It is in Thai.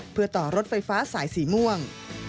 เพื่อต่อรถไฟฟ้าสายสีม่วง